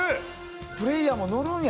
プレーヤーものるんや。